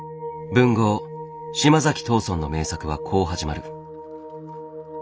文豪島崎藤村の名作はこう始まる。